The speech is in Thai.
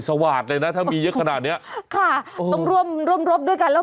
สวาดเลยนะถ้ามีเยอะขนาดเนี้ยค่ะต้องร่วมร่วมรบด้วยกันแล้ว